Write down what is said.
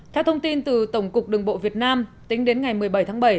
theo thông tin từ tổng cục đường bộ việt nam tính đến ngày một mươi bảy tháng bảy